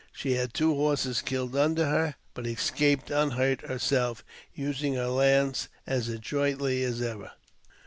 She had two horses killed under her, but escaped unhurt herself, using her lance as adroitly as ever.